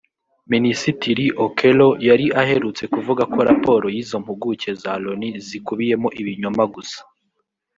Minisitiri Okello yari aherutse kuvuga ko raporo y’izo mpuguke za Loni zikubiyemo ibinyoma gusa